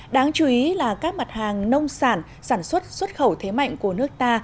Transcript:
đáng chú ý là các mặt hàng nông sản sản xuất xuất khẩu thế mạnh của nước ta